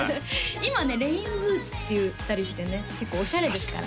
今ねレインブーツっていったりしてね結構オシャレですからね